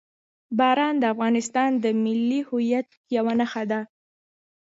باران د افغانستان د ملي هویت یوه نښه ده.